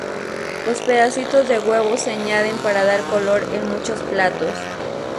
Los pedacitos de huevo se añaden para dar color en muchos platos.